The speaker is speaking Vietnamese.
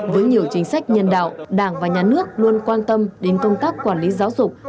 với nhiều chính sách nhân đạo đảng và nhà nước luôn quan tâm đến công tác quản lý giáo dục